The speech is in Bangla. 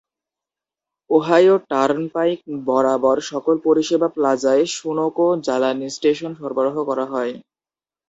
ওহাইও টার্নপাইক বরাবর সকল পরিষেবা প্লাজায় সুনোকো জ্বালানি স্টেশন সরবরাহ করা হয়।